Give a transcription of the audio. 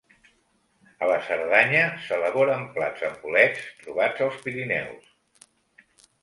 A la Cerdanya s'elaboren plats amb bolets trobats als Pirineus.